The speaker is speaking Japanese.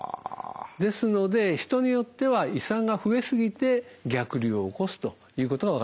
ですので人によっては胃酸が増え過ぎて逆流を起こすということが分かっています。